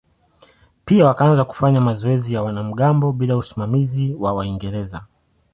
Pia wakaanza kufanya mazoezi ya wanamgambo bila usimamizi wa Waingereza.